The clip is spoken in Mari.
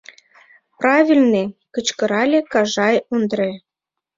— Правыльне! — кычкырале Кажай Ондре.